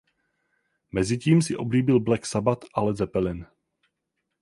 Mezitím si oblíbil Black Sabbath a Led Zeppelin.